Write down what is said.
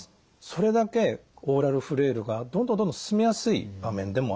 それだけオーラルフレイルがどんどんどんどん進みやすい場面でもある。